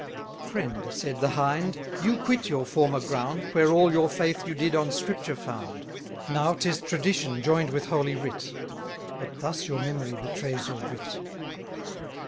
Friend, said the Hind, you quit your former ground, Where all your faith you did on Scripture found: Now 'tis Tradition join'd with Holy Writ; But thus your memory betrays your wit.